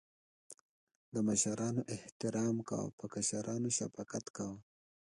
د مشرانو احترام کوه.په کشرانو شفقت کوه